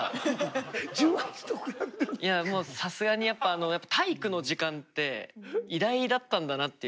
さすがにやっぱ体育の時間って偉大だったんだなっていう。